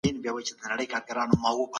سالم ذهن کرکه نه جوړوي.